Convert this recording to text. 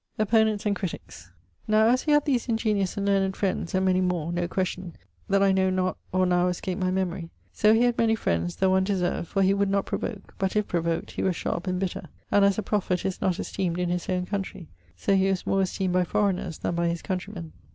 ] <_Opponents and critics._> Now as he had these ingeniose and learned friends, and many more (no question) that I know not or now escape my memory; so he had many enemies (though undeserved; for he would not provoke, but if provoked, he was sharp and bitter): and as a prophet is not esteemed in his owne countrey, so he was more esteemed by foreigners then by his countreymen.